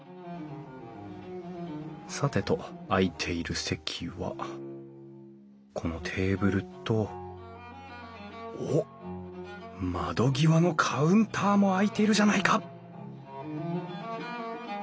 さてと空いている席はこのテーブルとおっ窓際のカウンターも空いているじゃないか！